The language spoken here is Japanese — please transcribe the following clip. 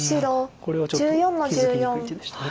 これはちょっと気付きにくい手でした。